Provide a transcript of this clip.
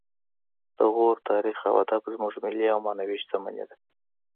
د غور تاریخ او ادب زموږ ملي او معنوي شتمني ده